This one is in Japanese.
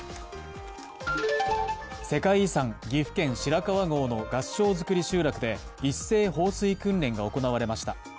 世界遺産・岐阜県白川郷の合掌造り集落で一斉放水訓練が行われました。